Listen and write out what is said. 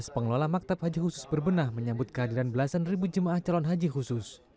pengelola maktab haji khusus berbenah menyambut kehadiran belasan ribu jemaah calon haji khusus